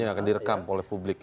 yang akan direkam oleh publik